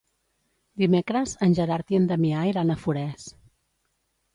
Dimecres en Gerard i en Damià iran a Forès.